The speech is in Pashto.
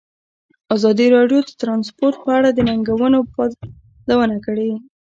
ازادي راډیو د ترانسپورټ په اړه د ننګونو یادونه کړې.